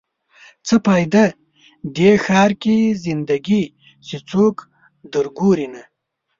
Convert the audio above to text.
څه فایده؟ دې ښار کې زنده ګي چې څوک در ګوري نه